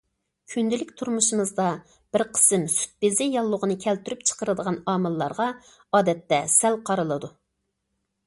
كۈندىلىك تۇرمۇشىمىزدا بىر قىسىم سۈت بېزى ياللۇغىنى كەلتۈرۈپ چىقىرىدىغان ئامىللارغا ئادەتتە سەل قارىلىدۇ.